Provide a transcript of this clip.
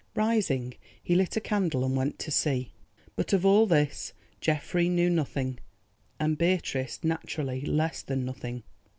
Rising, he lit a candle and went to see. But of all this Geoffrey knew nothing, and Beatrice naturally less than nothing.